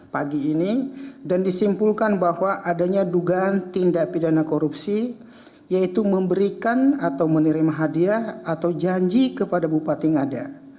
pagi ini dan disimpulkan bahwa adanya dugaan tindak pidana korupsi yaitu memberikan atau menerima hadiah atau janji kepada bupati ngada